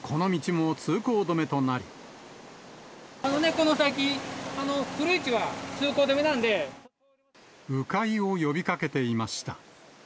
この先、う回を呼びかけていました。